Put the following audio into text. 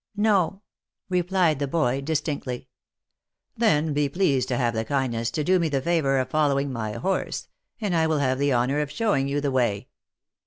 <l No ;" replied the boy, distinctly. " Then be pleased to have the kindness to do me the favour of following my horse, and I will have the honour of showing you the way."